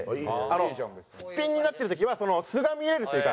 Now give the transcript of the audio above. すっぴんになってる時は素が見えるというか。